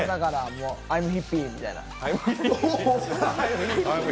アイム・ヒッピーみたいな。